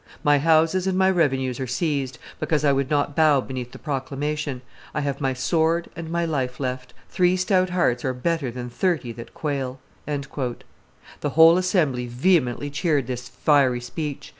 My houses and my revenues are seized, because I would not bow beneath the proclamation. I have my sword and my life left. Three stout hearts are better than thirty that quail." The whole assembly vehemently cheered this fiery speech.